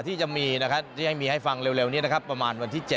ที่จะมีนะครับที่ให้มีให้ฟังเร็วนี้นะครับประมาณวันที่๗